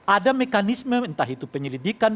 ada mekanisme entah itu penyelidikan